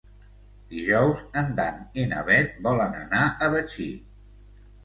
Dijous en Dan i na Bet volen anar a Betxí.